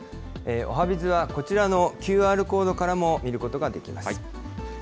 おはＢｉｚは、こちらのＱＲコードからも、見ることができます。